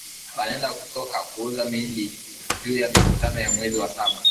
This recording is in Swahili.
Banaenda kusoko kuuza miindi juya mikutano ya mwezi wa saba